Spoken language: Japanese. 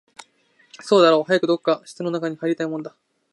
そうだろう、早くどこか室の中に入りたいもんだな